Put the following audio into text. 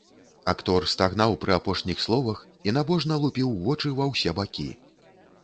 Актор стагнаў пры апошніх словах і набожна лупіў вочы ва ўсе бакі.